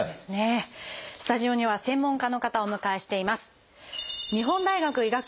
スタジオには専門家の方をお迎えしています。